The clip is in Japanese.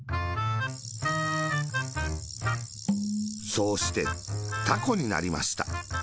そうして、たこになりました。